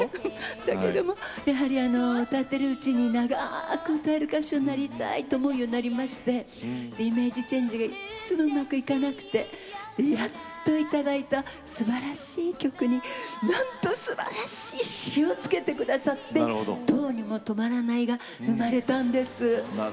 だけどもやはり歌ってるうちに長く歌える歌手になりたいと思うようになりましてイメージチェンジがいっつもうまくいかなくてやっと頂いたすばらしい曲になんとすばらしい詞をつけて下さって「どうにもとまらない」が生まれたんです。